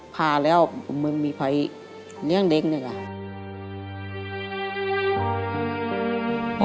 พาแล้วมันมีภัยเลี้ยงเล็กหนึ่งอะ